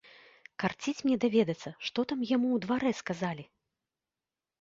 Карціць мне даведацца, што там яму ў дварэ сказалі.